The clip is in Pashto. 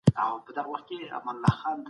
د پښتو ادبيات ډېر قوي دي.